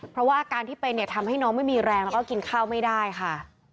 เพราะว่าอาการที่เป็นเนี่ยทำให้น้องไม่มีแรงแล้วก็กินข้าวไม่ได้ค่ะ